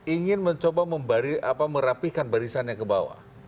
ingin mencoba merapihkan barisan yang kebawah